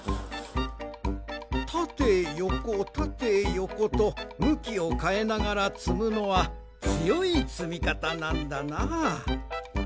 たてよこたてよことむきをかえながらつむのはつよいつみかたなんだなあ。